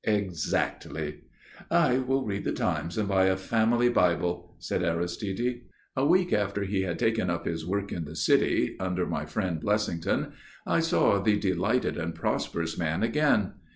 "Exactly." "I will read The Times and buy a family Bible," said Aristide. A week after he had taken up his work in the City, under my friend Blessington, I saw the delighted and prosperous man again.